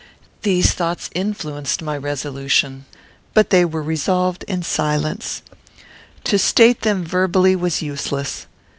These thoughts influenced my resolutions, but they were revolved in silence. To state them verbally was useless.